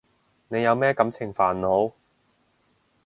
你有咩感情煩惱？